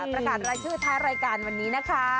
ประกาศรายชื่อท้ายรายการวันนี้นะคะ